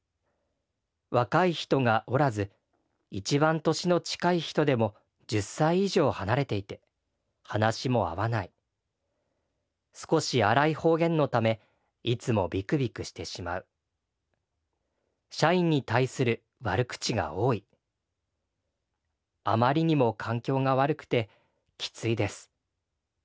若い人が居らず１番歳の近い人でも１０歳以上離れていて話も合わない少し荒い方言のためいつもビクビクしてしまう社員に対する悪口が多いあまりにも環境が悪くてきついです。